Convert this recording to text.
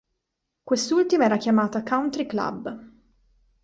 Quest'ultima era chiamata "Country Club".